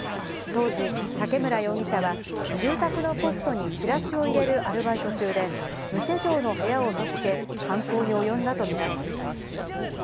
当時、竹村容疑者は、住宅のポストにチラシを入れるアルバイト中で、無施錠の部屋を見つけ、犯行に及んだと見られています。